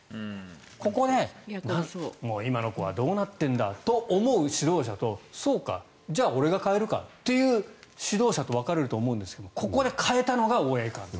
ここで今の子はどうなってんだと思う指導者とそうか、じゃあ俺が変えるかって指導者と分かれると思うんですがここで変えたのが大八木監督と。